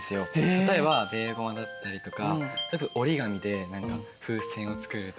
例えばベーゴマだったりとか折り紙で風船を作るとか。